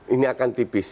ini akan tipis